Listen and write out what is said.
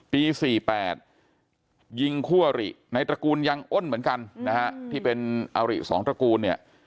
ปี๔๘ยิงคู่อริในตระกูลยังอ้นเหมือนกันนะฮะที่เป็นอาริสองตระกูลเนี่ย